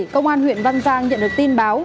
công an huyện văn giang nhận được tin báo